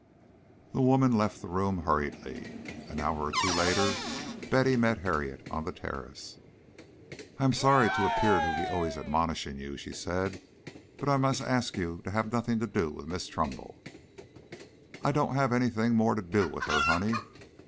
The woman left the room hurriedly. An hour or two later Betty met Harriet on the terrace. "I am sorry to appear to be always admonishing you," she said, "but I must ask you to have nothing more to do with Miss Trumbull." "I don't want to have anything more to do with her, honey.